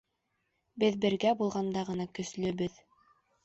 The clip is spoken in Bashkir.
Беҙ бергә булғанда ғына көслөбөҙ.